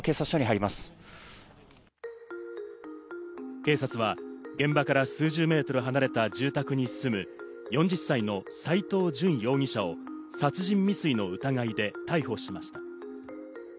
警察は現場から数十メートル離れた住宅に住む４０歳の斎藤淳容疑者を殺人未遂の疑いで逮捕しました。